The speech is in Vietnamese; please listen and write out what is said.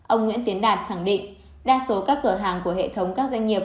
ông nguyễn tiến đạt khẳng định đa số các cửa hàng của hệ thống các doanh nghiệp